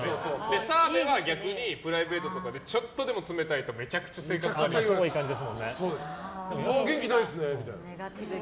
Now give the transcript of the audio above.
澤部は逆にプライベートでもちょっとでも冷たいとめちゃくちゃ性格悪いってなる。